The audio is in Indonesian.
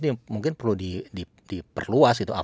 ini mungkin perlu diperluas gitu